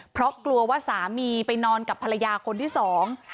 เพราะกลัวว่าสามีไปนอนกับภรรยาคนที่สอง